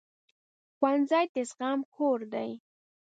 ښوونځی د زغم کور دی